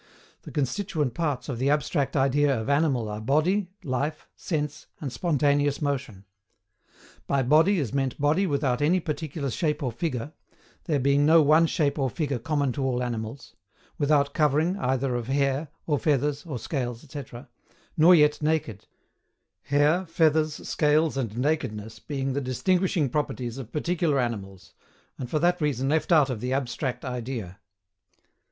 The constituent parts of the abstract idea of animal are body, life, sense, and spontaneous motion. By BODY is meant body without any particular shape or figure, there being no one shape or figure common to all animals, without covering, either of hair, or feathers, or scales, &c., nor yet naked: hair, feathers, scales, and nakedness being the distinguishing properties of particular animals, and for that reason left out of the ABSTRACT IDEA.